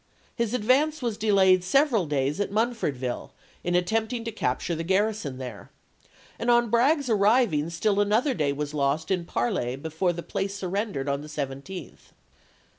His advance was delayed several days at Munfordville in attempting to capture the garrison there, and on Bragg's arriving still an other day was lost in parley before the place sur rendered on the 17th.